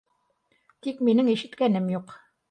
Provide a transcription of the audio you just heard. Тик минең ишеткәнем юҡ